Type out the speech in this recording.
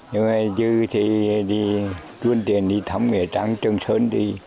nhưng mà như thì đi luôn tiền đi thăm người trang trường sơn đi